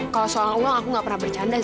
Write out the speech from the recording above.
kalau soal uang aku gak pernah bercanda zah